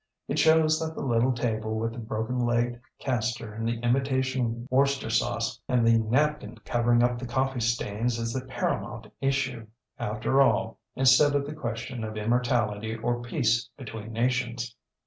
It shows that the little table with the broken legged caster and the imitation Worcester sauce and the napkin covering up the coffee stains is the paramount issue, after all, instead of the question of immortality or peace between nations.